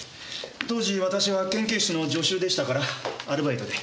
当時私は研究室の助手でしたからアルバイトで。